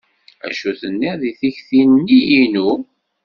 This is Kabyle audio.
Acu tenniḍ deg tikti-nni-inu?